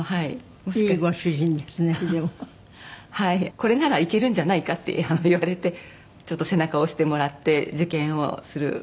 これならいけるんじゃないかって言われてちょっと背中を押してもらって受験をするっていう運びになって。